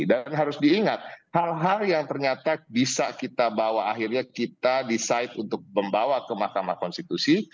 dan harus diingat hal hal yang ternyata bisa kita bawa akhirnya kita decide untuk membawa ke makamah konstitusi